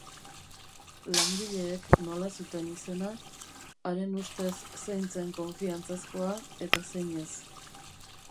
Langileek nola zuten izena, haren ustez zein zen konfiantzazkoa eta zein ez.